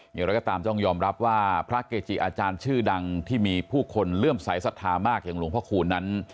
อย่างไรก็ตามต้องยอมรับว่าพระเกจิอาจารย์ชื่อดังที่มีผู้คนเลื่อมสายศรัทธามากอย่างหลวงพ่อคูณนั้น